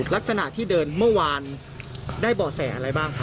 ลักษณะที่เดินเมื่อวานได้บ่อแสอะไรบ้างครับ